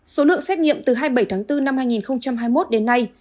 số lượng xét nghiệm từ hai mươi bảy tháng bốn năm hai nghìn hai mươi một đến nay